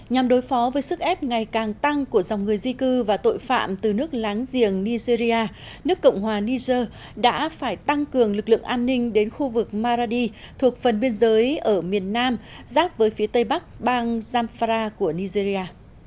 nhằm đối phó với sức ép ngày càng tăng của dòng người di cư và tội phạm từ nước láng giềng nigeria nước cộng hòa niger đã phải tăng cường lực lượng an ninh đến khu vực maradi thuộc phần biên giới ở miền nam giáp với phía tây bắc bang jamfara của nigeria